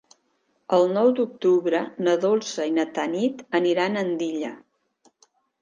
El nou d'octubre na Dolça i na Tanit aniran a Andilla.